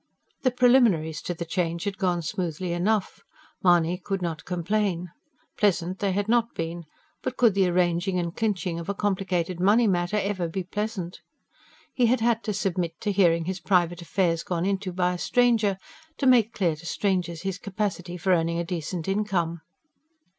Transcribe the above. The preliminaries to the change had gone smoothly enough Mahony could not complain. Pleasant they had not been; but could the arranging and clinching of a complicated money matter ever be pleasant? He had had to submit to hearing his private affairs gone into by a stranger; to make clear to strangers his capacity for earning a decent income.